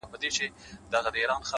هغه ښايسته بنگړى په وينو ســـور دى!